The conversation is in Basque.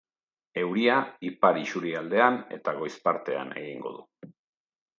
Euria, ipar isurialdean eta goiz partean egingo du.